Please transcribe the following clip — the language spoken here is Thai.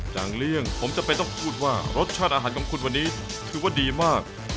อย่างเลี่ยงผมจำเป็นต้องพูดว่ารสชาติอาหารของคุณวันนี้ถือว่าดีมาก